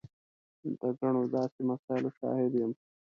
د ګڼو داسې مسایلو شاهد یم.